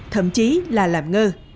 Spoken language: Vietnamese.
thậm chí là làm ngơ